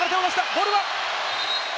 ボールは。